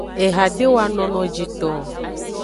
Eha de wano nojito o.